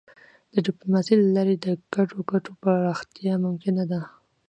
د ډيپلوماسی له لارې د ګډو ګټو پراختیا ممکنه ده.